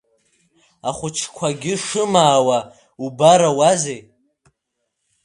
Ахәыҷқәагьы шымаауа убарауазеи?!